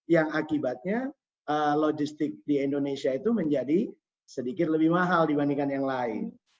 yang akibatnya logistik di indonesia itu menjadi sedikit lebih mahal dibandingkan yang lain